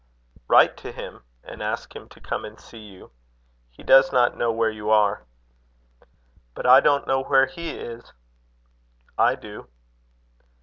"Write to him, and ask him to come and see you. He does not know where you are." "But I don't know where he is." "I do."